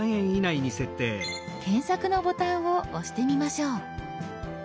「検索」のボタンを押してみましょう。